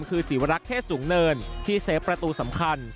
คือศรีวรักษ์เทศสูงเนินที่เซฟประตูสำคัญ